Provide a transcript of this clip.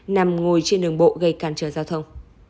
nằm ngồi trên đường bộ gây cản trở giao thông